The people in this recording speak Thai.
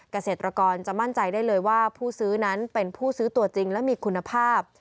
เกษตรกรจะมั่นใจได้เลยว่าผู้ซื้อนั้นเป็นผู้ซื้อตัวจริงและมีคุณภาพ